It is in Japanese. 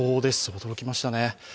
驚きましたね。